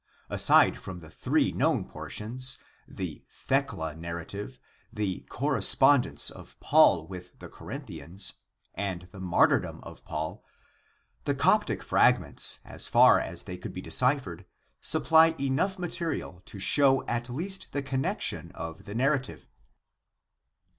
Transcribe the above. Aside from the three known portions : the Thecla nar rative, the correspondence of Paul with the Corinthians, and the Martyrdom of Paul, the Coptic fragments, as far as they could be deciphered, supply enough material to show at least the connection of the narrative.